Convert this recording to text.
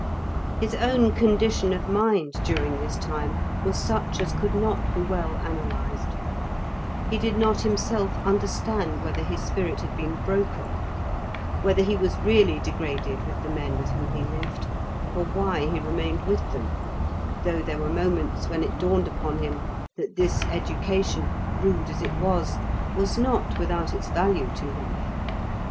His own condition of mind during this time was such as could not be well analysed. He did not himself understand whether his spirit had been broken, whether he was really degraded with the men with whom he lived, or why he remained with them, though there were moments when it dawned upon him that this education, rude as it was, was not without its value to him.